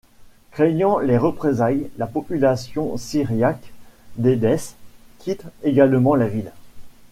Craignant les représailles, la population syriaque d’Édesse quitte également la ville.